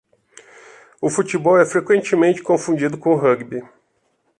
O futebol é frequentemente confundido com o rugby.